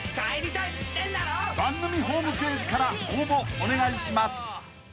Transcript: ［番組ホームページから応募お願いします］